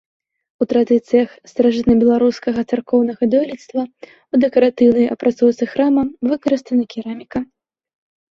У традыцыях старажытнабеларускага царкоўнага дойлідства ў дэкаратыўнай апрацоўцы храма выкарыстана кераміка.